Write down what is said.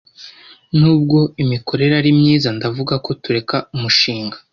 Nubwo imikorere ari myiza, ndavuga ko tureka umushinga.